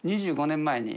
２５年前に？